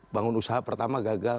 bangun usaha pertama gagal